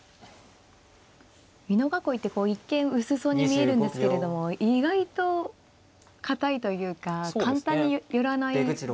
美濃囲いって一見薄そうに見えるんですけれども意外と堅いというか簡単に寄らない玉ですよね。